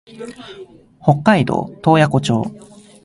北海道洞爺湖町